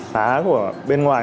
lá của bên ngoài